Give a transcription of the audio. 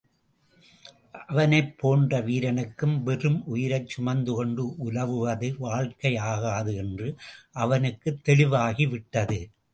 அவனைப் போன்ற வீரனுக்கு வெறும் உயிரைக் சுமந்துகொண்டு உலவுவது வாழ்க்கை ஆகாது என்று அவனுக்குத் தெளிவாகிவிட்டது.